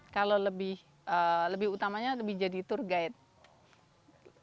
kalau lebih utamanya lebih jadi tour guide